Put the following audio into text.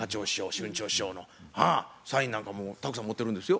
春蝶師匠のサインなんかもたくさん持ってるんですよ。